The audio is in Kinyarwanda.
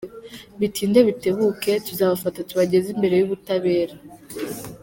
Bitinde bitebuke, tuzabafata tubageze imbere y’ubutabera.